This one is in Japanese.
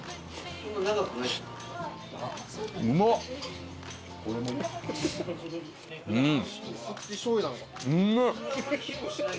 うん！